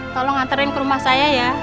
tolong nganterin ke rumah saya ya